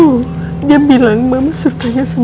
oh dia bilang mama suruh tanya soal kamu